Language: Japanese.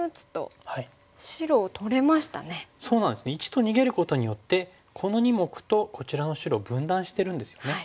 ①と逃げることによってこの２目とこちらの白を分断してるんですよね。